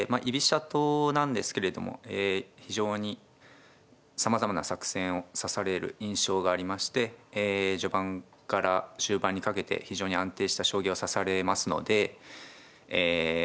居飛車党なんですけれども非常にさまざまな作戦を指される印象がありまして序盤から終盤にかけて非常に安定した将棋を指されますのでえ